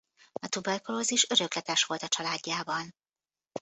A tuberkulózis örökletes volt a családjában.